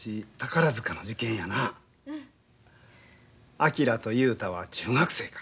昭と雄太は中学生か。